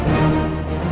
tidak ada yang bisa dikawal